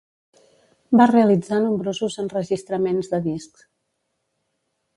Va realitzar nombrosos enregistraments de discs.